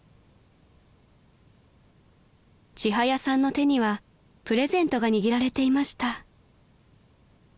［ちはやさんの手にはプレゼントが握られていました］